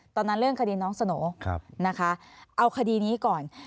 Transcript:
ตอนนั้นเรื่องคดีน้องสโหน่นะคะเอาคดีนี้ก่อน